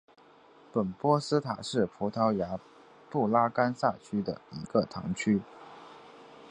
本波斯塔是葡萄牙布拉干萨区的一个堂区。